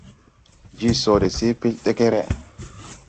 Je sode se pel deger.